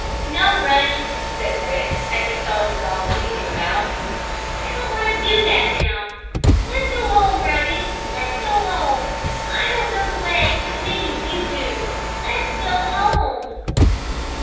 "No, Ruddy," said Rick, as he saw his dog leaping about. "I don't want to do that now. Let's go home, Ruddy! Let's go home! I don't know the way, but maybe you do! Let's go home!"